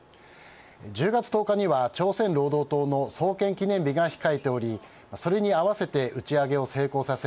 １０月１０日には朝鮮労働党の創建記念日が控えておりそれに合わせて打ち上げを成功させ